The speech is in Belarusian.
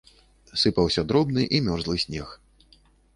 Сыпаўся дробны і мёрзлы снег.